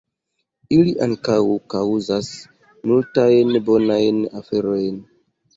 Ili ankaŭ kaŭzas multajn bonajn aferojn.